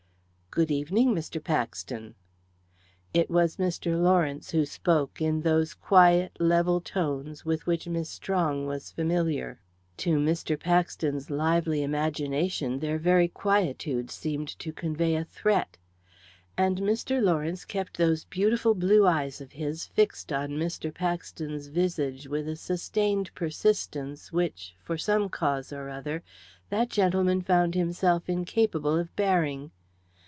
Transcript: "Good evening, Mr. Paxton." It was Mr. Lawrence who spoke, in those quiet, level tones with which Miss Strong was familiar. To Mr. Paxton's lively imagination their very quietude seemed to convey a threat. And Mr. Lawrence kept those beautiful blue eyes of his fixed on Mr. Paxton's visage with a sustained persistence which, for some cause or other, that gentleman found himself incapable of bearing.